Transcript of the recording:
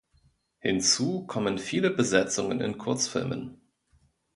Hinzu kommen viele Besetzungen in Kurzfilmen.